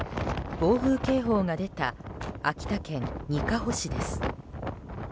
暴風警報が出た秋田県にかほ市です。